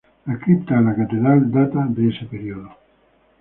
La cripta de la catedral data de ese periodo.